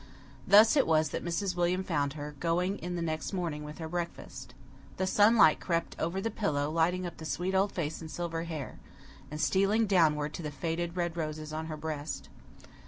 Thus it was that Mrs. William found her, going in the next morning with her breakfast. The sunlight crept over the pillow, lighting up the sweet old face and silver hair, and stealing downward to the faded red roses on her breast.